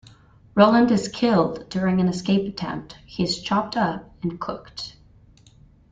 Roland is killed during an escape attempt; he is chopped up and cooked.